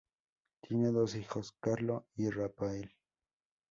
Tiene dos hijos, Carlo y Raphaël.